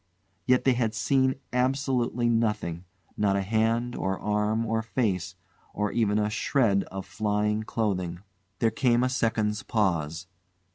Yet they had seen absolutely nothing not a hand, or arm, or face, or even a shred of flying clothing. There came a second's pause.